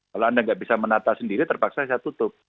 kalau anda nggak bisa menata sendiri terpaksa saya tutup